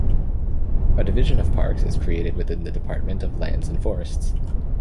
A Division of Parks is created within the Department of Lands and Forests.